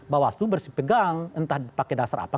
bawaslu bersih pegang entah pakai dasar apa